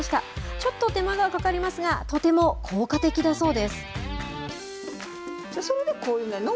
ちょっと手間がかかりますが、とても効果的だそうです。